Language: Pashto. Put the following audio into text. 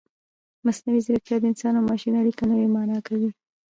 مصنوعي ځیرکتیا د انسان او ماشین اړیکه نوې مانا کوي.